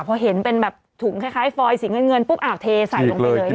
เพราะเห็นเป็นแบบถุงคล้ายฟอยสีเงินเงินปุ๊บอาบเทใส่ลงไปเลยเนี่ย